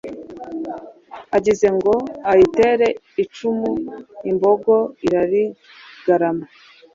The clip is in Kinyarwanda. agize ngo ayitere icumu imbogo irarigarama,